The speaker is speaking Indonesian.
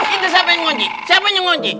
itu siapa yang ngunci siapa yang ngunci